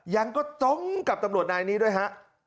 ยังก็ตรงกับตำรวจนายนี้ด้วยฮะ